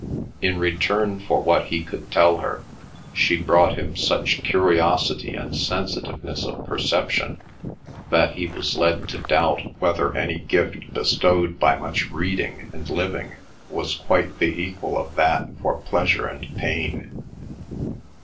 In return for what he could tell her she brought him such curiosity and sensitiveness of perception, that he was led to doubt whether any gift bestowed by much reading and living was quite the equal of that for pleasure and pain.